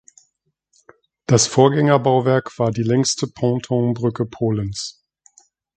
Das Vorgängerbauwerk war die längste Pontonbrücke Polens.